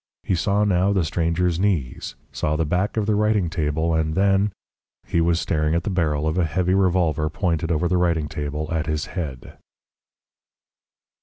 He saw now the stranger's knees, saw the back of the writing table, and then he was staring at the barrel of a heavy revolver pointed over the writing table at his head.